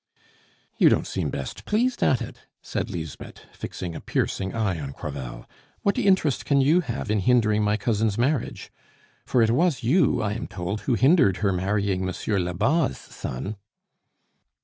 "You don't seem best pleased at it?" said Lisbeth, fixing a piercing eye on Crevel. "What interest can you have in hindering my cousin's marriage? For it was you, I am told, who hindered her marrying Monsieur Lebas' son."